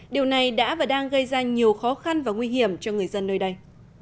điều này đã và đang gây ra nhiều khó khăn và nguy hiểm cho người dân nơi đây